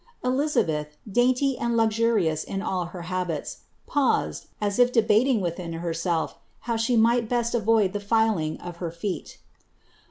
Elizabeth, dainty and luxurious in all her habits, paw debating wiihin herself how she might best avoid the '•filing feet.